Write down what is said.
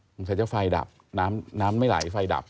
คงใส่เจ้าไฟดับน้ำไม่ไหลไฟดับ